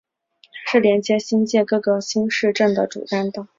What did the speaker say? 它是连接新界各个新市镇的主干道。